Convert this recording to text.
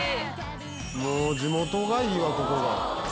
もう地元がいいわここが。